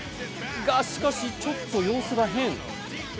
がしかし、ちょっと様子が変。